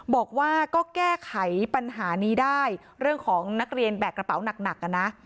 บอกว่าก็แก้ไขปัญหานี้ได้เรื่องของนักเรียนแบกกระเป๋าหนักนะ